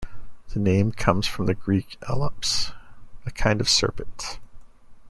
The name comes from the Greek "ellops" - a kind of serpent.